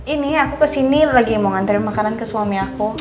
ini aku ke sini lagi mau ngantri makanan ke suami aku